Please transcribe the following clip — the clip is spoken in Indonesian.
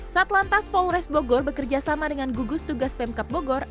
satlantas polres bogor bekerja sama dengan gugus tugas pemkap bogor